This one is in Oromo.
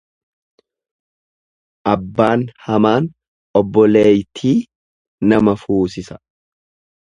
Abbaan hamaan obboleeytii nama fuusisa.